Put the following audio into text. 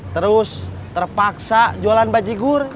terus terpaksa jualan baji gur